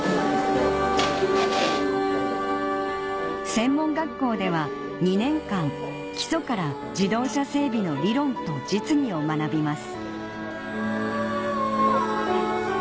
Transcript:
専門学校では２年間基礎から自動車整備の理論と実技を学びます